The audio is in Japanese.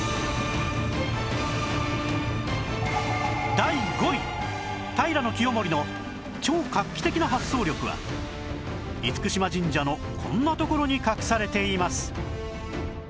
第５位平清盛の超画期的な発想力は嚴島神社のこんなところに隠されています